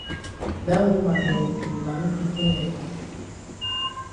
Dat woman dem be mami pikin dem.